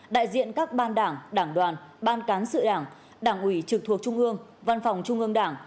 đại diện các ban đảng đảng đoàn ban cán sự đảng đảng ủy trực thuộc trung ương văn phòng trung ương đảng